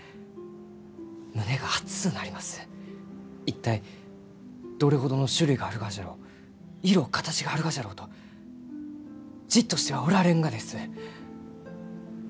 一体どれほどの種類があるがじゃろう色形があるがじゃろうとじっとしてはおられんがです！